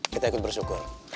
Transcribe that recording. kita ikut bersyukur